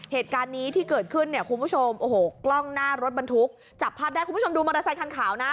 เหตุการณ์นี้ที่เกิดขึ้นเนี่ยคุณผู้ชมโอ้โหกล้องหน้ารถบรรทุกจับภาพได้คุณผู้ชมดูมอเตอร์ไซคันขาวนะ